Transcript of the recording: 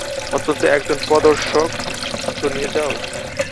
অন্তত্য একজন প্রদর্শক তো নিয়ে যাও।